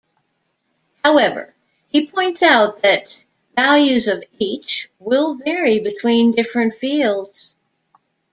However, he points out that values of h will vary between different fields.